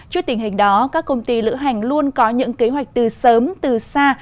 trước tình hình đó các công ty lữ hành luôn có những kế hoạch từ sớm từ xa